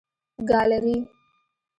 ګالري